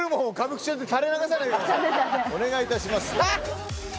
お願いいたします。